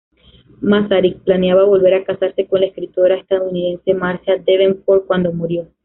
Masaryk planeaba volver a casarse con la escritora estadounidense Marcia Davenport cuando murió.